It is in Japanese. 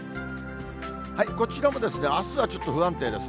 こちらもですね、あすはちょっと不安定です。